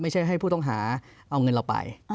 ให้ผู้ต้องหาเอาเงินเราไป